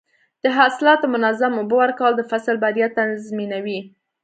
د حاصلاتو منظم اوبه ورکول د فصل بریا تضمینوي.